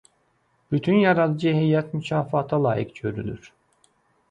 Bütün yaradıcı heyət mükafata layiq görülür.